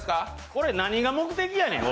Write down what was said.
これ、何が目的やねん。